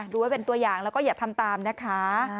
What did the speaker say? ดูไว้เป็นตัวอย่างแล้วก็อย่าทำตามนะคะ